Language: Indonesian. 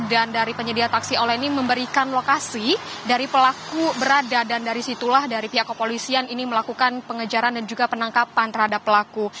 dan dari penyedia taksi online ini memberikan lokasi dari pelaku berada dan dari situlah dari pihak kepolisian ini melakukan pengejaran dan juga penangkapan terhadap pelaku